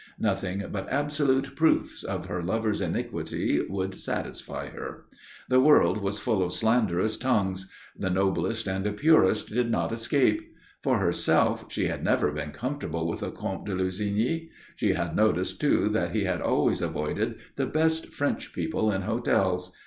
Nothing but absolute proofs of her lover's iniquity would satisfy her. The world was full of slanderous tongues; the noblest and purest did not escape. For herself, she had never been comfortable with the Comte de Lussigny. She had noticed too that he had always avoided the best French people in hotels.